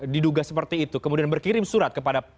diduga seperti itu kemudian berkirim surat kepada